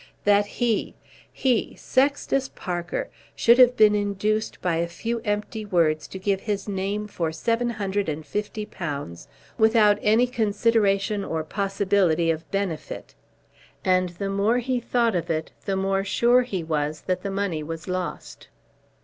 That he, he, Sextus Parker, should have been induced by a few empty words to give his name for seven hundred and fifty pounds without any consideration or possibility of benefit! And the more he thought of it the more sure he was that the money was lost.